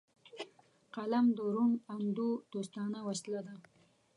قلم د روڼ اندو دوستانه وسله ده